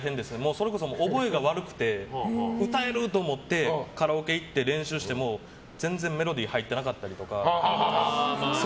それこそ、覚えが悪くて歌えると思ってカラオケ行って練習しても全然メロディー入ってなかったりとか。